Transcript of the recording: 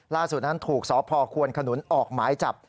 ล่าสุดนั้นถูกสพควนขนุนออกหมายจับ